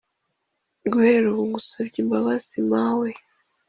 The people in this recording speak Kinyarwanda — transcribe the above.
guhera ubu ngusabye imbabazi mawe